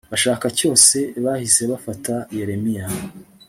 bashaka cyose Bahise bafata Yeremiya